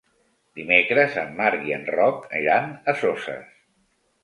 Dimecres en Marc i en Roc iran a Soses.